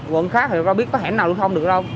quận khác thì không biết có hẻm nào lưu thông được đâu